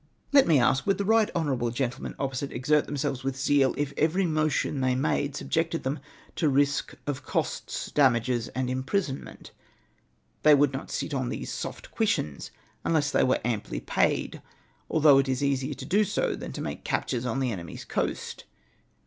Let me ask, would tlie right honourable gentlemen opposite exert themselves with zeal, if every motion they made subjected them to risk of costs, dam iges, and imprisonment? They would not sit on these soft cushions unless they were amply paid, although it is easier to do so than to make captures on the enemy's coast.